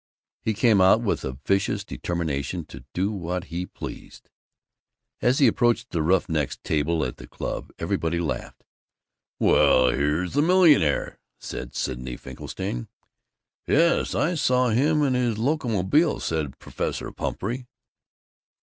He came out with a vicious determination to do what he pleased. As he approached the Roughnecks' Table at the club, everybody laughed. "Well, here's the millionaire!" said Sidney Finkelstein. "Yes, I saw him in his Locomobile!" said Professor Pumphrey.